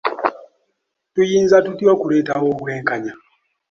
Tuyinza tutya okuleetawo obwenkanya?